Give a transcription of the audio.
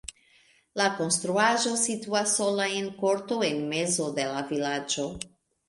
La konstruaĵo situas sola en korto en mezo de la vilaĝo.